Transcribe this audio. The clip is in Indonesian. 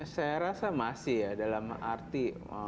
saya rasa masih ya dalam arti